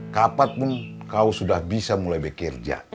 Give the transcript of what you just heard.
kapan pun kau sudah bisa mulai bekerja